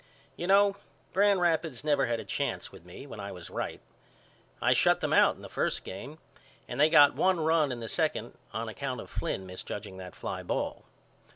You know Grand Rapids never had a chance with me when I was right. I shut them out in the first game and they got one run in the second on account of Flynn misjudging that fly ball.